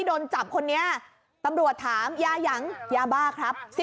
โดนจับคนนี้ตำรวจถามยายังยาบ้าครับ